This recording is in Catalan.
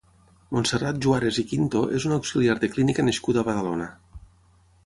Montserrat Juárez i Quinto és una auxiliar de clínica nascuda a Badalona.